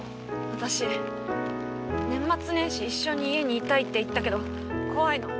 私年末年始一緒に家にいたいって言ったけど怖いの。